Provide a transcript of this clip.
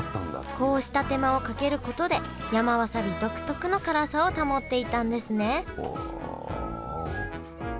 こうした手間をかけることで山わさび独特の辛さを保っていたんですねおお。